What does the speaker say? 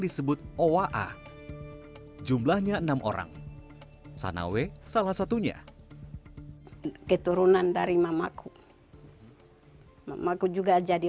disebut owa jumlahnya enam orang sanawe salah satunya keturunan dari mamaku mamaku juga jadi